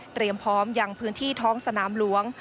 เตรียมพร้อมอย่างพื้นที่ท้องสนามหลวง